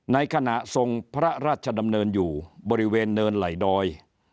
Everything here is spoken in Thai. ในขณะทรงพระราชดำเนินอยู่บริเวณเนินไหลดอย